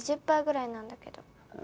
パーぐらいなんだけど。